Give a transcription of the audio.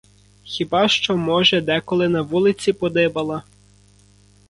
Хіба що, може, деколи на вулиці подибала?